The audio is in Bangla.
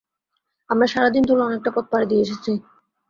আমরা সারাদিন ধরে অনেকটা পথ পাড়ি দিয়ে এসেছি।